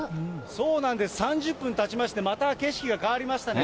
そうなんです、３０分たちまして、また景色が変わりましたね。